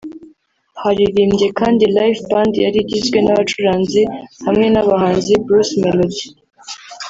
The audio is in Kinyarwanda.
Haririmbye kandi Live Band yari igizwe n’abacuranzi hamwe n’abahanzi Bruce Melody